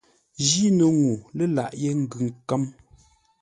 Jíno ŋuu lə́ laghʼ yé ngʉ nkə̌m.